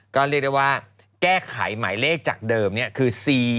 ก็เรียกได้ว่าแก้ไขหมายเลขจากเดิมคือ๔๕